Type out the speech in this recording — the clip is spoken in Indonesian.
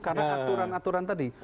karena aturan aturan tadi